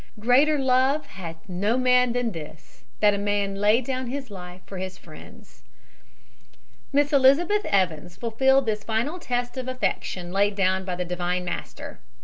"Greater love hath no man than this, that a man lay down his life for his friends." Miss Elizabeth Evans fulfilled this final test of affection laid down by the Divine Master.